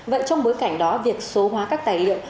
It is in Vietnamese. vậy trong bối cảnh đó việc số hóa các tài liệu